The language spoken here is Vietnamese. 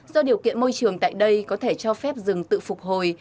do điều kiện môi trường tại đây có thể cho phép rừng tự phục hồi